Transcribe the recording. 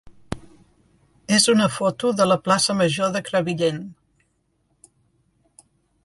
és una foto de la plaça major de Crevillent.